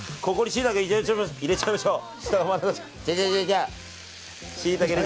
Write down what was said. シイタケ入れちゃいましょう！